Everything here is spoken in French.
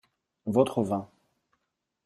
Votre vin.